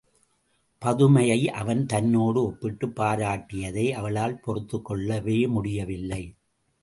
பதுமையை அவன் தன்னோடு ஒப்பிட்டுப் பாராட்டியதை அவளால் பொறுத்துக்கொள்ளவே முடியவில்லை.